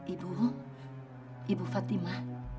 ibu ibu fatima